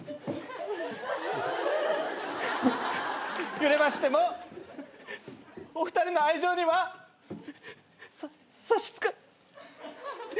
・揺れましてもお二人の愛情には。さ差し支え。